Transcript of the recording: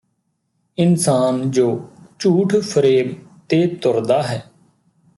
ਇਨਸਾਨ ਜੋ ਝੂਠ ਫਰੇਬ ਤੇ ਤੁਰਦਾ ਹੈ